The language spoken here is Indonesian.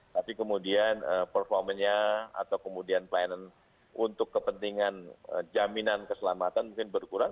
tapi kemudian performanya atau kemudian pelayanan untuk kepentingan jaminan keselamatan mungkin berkurang